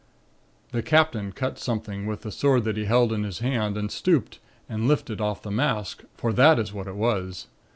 The Captain cut something with the sword that he held in his hand and stooped and lifted off the mask, for that is what it was.